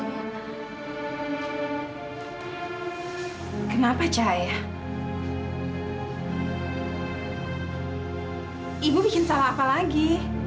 ibu bikin salah apa lagi